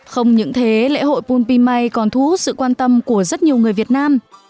không những thế lễ hội pum pimay còn thú sự quan tâm của rất nhiều người việt nam